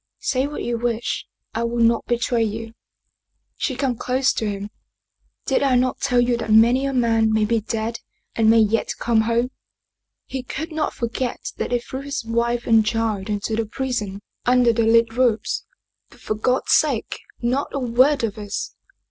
" Say what you wish, I will not betray you." She came close to him. " Did I not tell you that many a man may be dead and may yet come home? He could not forget that they threw his wife and child into the prison 57 German Mystery Stories tinder the lead roofs. But for God's sake, not a word of this."